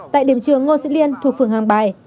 tại điểm trường ngô sĩ liên thuộc phường hàng bài